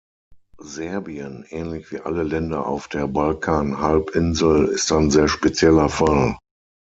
Serbien, ähnlich wie alle Länder auf der Balkanhalbinsel, ist ein sehr spezieller Fall.